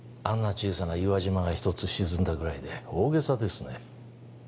小さな岩島が１つ沈んだぐらいで大げさですね